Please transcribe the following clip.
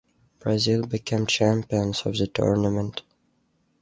Brazil became champions of the tournament.